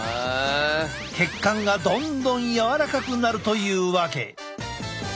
血管がどんどん柔らかくなるというわけ。